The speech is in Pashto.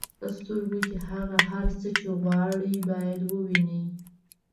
په سترګو کې هغه هر څه چې غواړئ باید ووینئ.